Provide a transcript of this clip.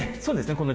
そうですね